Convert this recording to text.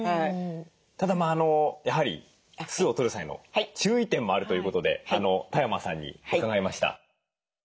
ただやはり酢をとる際の注意点もあるということで多山さんに伺いました。